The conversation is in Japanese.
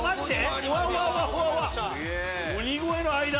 鬼越の間！